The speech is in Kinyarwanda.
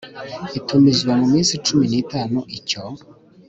itumizwa mu minsi cumi n itanu icyo